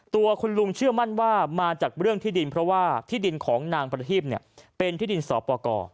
ตัวคุณลุงเชื่อมั่นว่ามาจากเรื่องที่ดินเพราะว่าที่ดินของนางประทีพเป็นที่ดินสอปกร